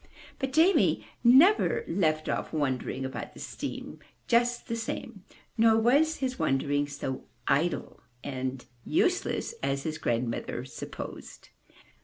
But Jamie never left off wondering about the steam just the same, nor was his wondering so idle and useless as his grandmother supposed.